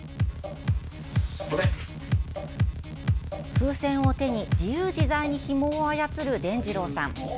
風船を手に、自由自在にひもを操るでんじろうさん。